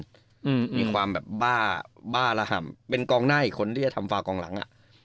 มีความบ้าระห่ำเป็นกองหน้าอีกคนที่จะทำฟ้ากองหลัง